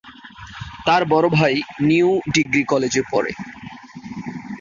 তার বড় ভাই নিউ ডিগ্রি কলেজে পড়ে।